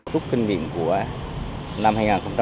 lúc kinh nghiệm của năm hai nghìn một mươi bảy